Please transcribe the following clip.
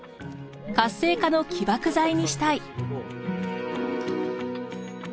活性化の起爆剤にしたい。